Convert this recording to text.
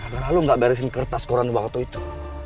karena lu gak beresin kertas koran banget itu